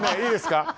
いいですか。